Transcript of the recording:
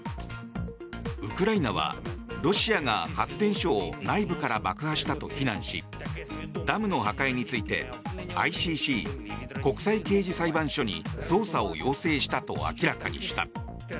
ウクライナは、ロシアが発電所を内部から爆破したと非難しダムの破壊についてＩＣＣ・国際刑事裁判所に捜査を要請したと明らかにした。